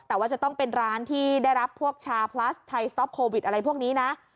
แต่ว่าจะต้องเป็นร้านที่ได้รับพวกชาพลัสไทยสต๊อปโควิดอะไรพวกนี้นะ